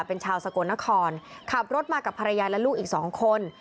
เป็นชาวสกลนครขับรถมากับภรรยาและลูกอีกสองคน